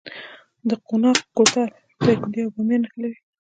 د قوناق کوتل دایکنډي او بامیان نښلوي